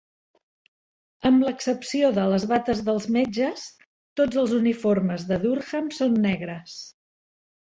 Amb l'excepció de les bates dels metges, tots els uniformes de Durham són negres.